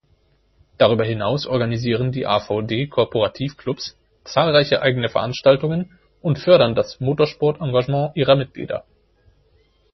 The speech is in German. Darüber hinaus organisieren die AvD-Korporativclubs zahlreiche eigene Veranstaltungen und fördern das Motorsport-Engagement ihrer Mitglieder.